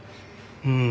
うん。